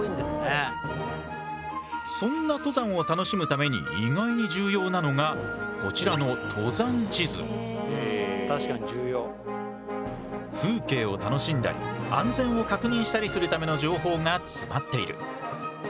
そんな登山を楽しむために意外に重要なのがこちらの風景を楽しんだり安全を確認したりするための情報が詰まっている。